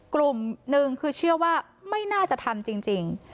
กลุ่มหนึ่งคือเชื่อว่าไม่น่าจะทำจริง